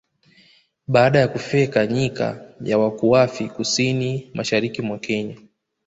Baada ya kufyeka Nyika ya Wakuafi kusini mashariki mwa Kenya